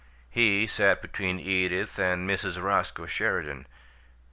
He sat between Edith and Mrs. Roscoe Sheridan.